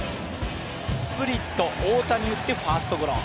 スプリット、大谷打ってファーストゴロ。